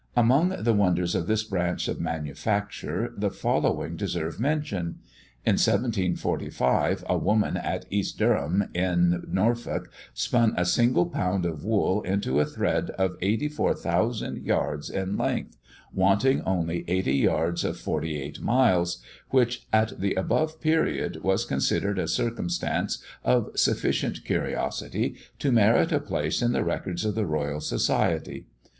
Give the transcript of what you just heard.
Among the wonders of this branch of manufacture, the following deserve mention: In 1745, a woman at East Dereham, in Norfolk, spun a single pound of wool into a thread of 84,000 yards in length, wanting only 80 yards of forty eight miles, which, at the above period, was considered a circumstance of sufficient curiosity to merit a place in the records of the Royal Society.